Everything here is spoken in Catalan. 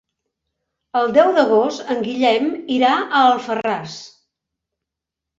El deu d'agost en Guillem irà a Alfarràs.